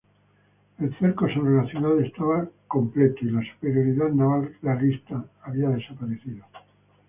El cerco sobre la ciudad estaba completo, y la superioridad naval realista había desaparecido.